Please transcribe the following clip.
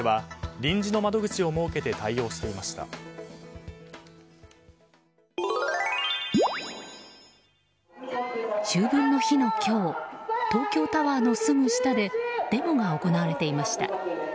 秋分の日の今日東京タワーのすぐ下でデモが行われていました。